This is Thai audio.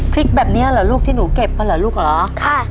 พริกแบบนี้เหรอลูกที่หนูเก็บมาเหรอลูกเหรอค่ะ